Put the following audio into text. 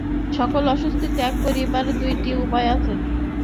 সকল আসক্তি ত্যাগ করিবার দুইটি উপায় আছে।